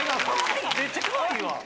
めっちゃかわいいわ。